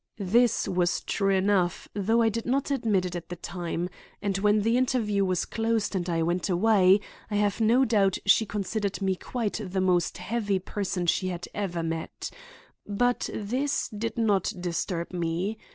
This was true enough, though I did not admit it at the time; and when the interview was closed and I went away, I have no doubt she considered me quite the most heavy person she had ever met. But this did not disturb me.